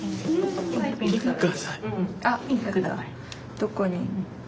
どこに？